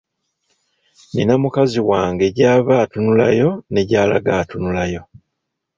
Nina mukazi wange gy’ava atunulayo ne gy’alaga atunulayo.